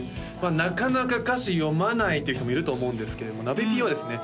なかなか歌詞読まないという人もいると思うんですけれどなべＰはですね